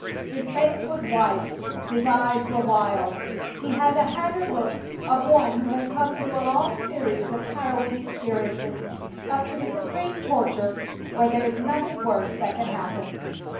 His face was white, his eyes were wild. He had the haggard look of one who has come through a long series of harrowing experiences up to the supreme torture where there is nothing worse that can happen.